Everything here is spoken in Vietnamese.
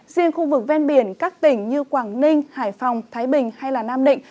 riêng khu vực ven biển các tỉnh như quảng ninh hải phòng thái bình hay nam định